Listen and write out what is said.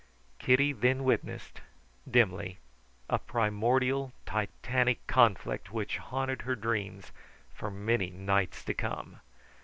Kitty then witnessed dimly a primordial, titanic conflict which haunted her dreams for many nights to come.